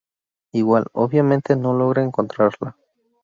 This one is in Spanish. Igual, obviamente, no logra encontrarla.